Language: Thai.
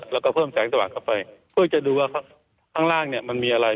แล้วก็เพิ่มแสงสว่างเข้าไปเพื่อจะดูว่าข้างล่างเนี่ยมันมีอะไร